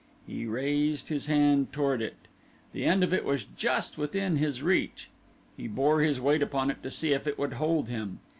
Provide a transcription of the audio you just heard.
He raised his hand toward it. The end of it was just within his reach. He bore his weight upon it to see if it would hold him.